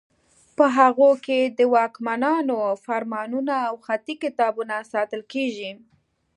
په هغو کې د واکمنانو فرمانونه او خطي کتابونه ساتل کیږي.